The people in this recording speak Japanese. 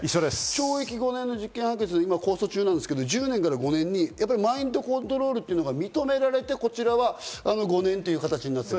懲役５年の実刑判決、今控訴中ですけど１０年から５年にマインドコントロールというのが認められてこちらは５年という形になった。